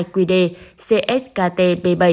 quy định cskt b bảy